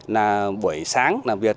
là buổi sáng làm việc